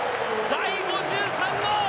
第５３号。